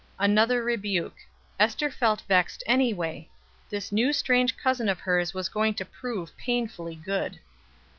Another rebuke. Ester felt vexed anyway. This new strange cousin of hers was going to prove painfully good.